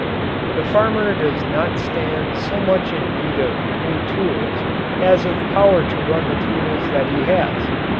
The farmer does not stand so much in need of new tools as of power to run the tools that he has.